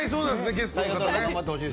ゲストの方ね。